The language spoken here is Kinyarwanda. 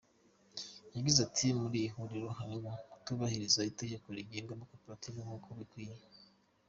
Yagize ati “Muri iri huriro harimo kutubahiriza iteko rigenga amakoperative nk’uko bikwiye.